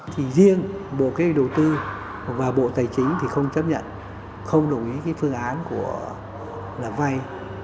thì riêng bộ kế hoạch đầu tư và bộ tài chính thì không chấp nhận không đồng ý cái phương án của là vay